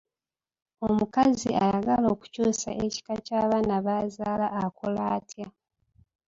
Omukazi ayagala okukyusa ekika ky'abaana b'azaala akola atya?